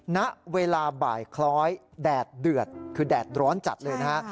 ณเวลาบ่ายคล้อยแดดเดือดคือแดดร้อนจัดเลยนะฮะ